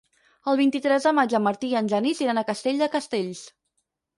El vint-i-tres de maig en Martí i en Genís iran a Castell de Castells.